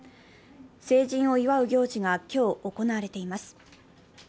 成人を祝う行事が今日行われています。